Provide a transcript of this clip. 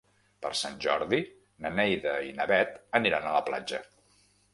Per Sant Jordi na Neida i na Bet aniran a la platja.